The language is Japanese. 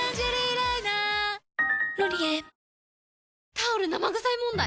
タオル生臭い問題。